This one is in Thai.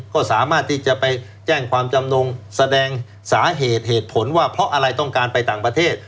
ก็สามารถที่จะไปแจ้งความจำนงแสดงสาเหตุเหตุผลว่าเพราะอะไรต้องการไปต่างประเทศ